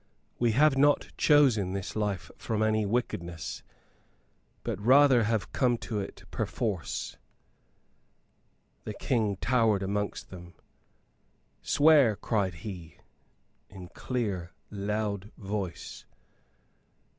We have not chosen this life from any wickedness, but rather have come to it perforce." The King towered amongst them. "Swear," cried he, in clear, loud voice.